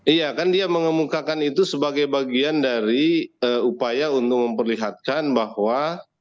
iya kan dia mengemukakan itu sebagai bagian dari upaya untuk memperlihatkan bahwa